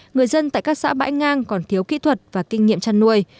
người dân tại các xã bãi ngang còn thiếu kỹ thuật và kinh nghiệm chăn nuôi